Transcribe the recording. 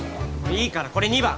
いいからこれ２番！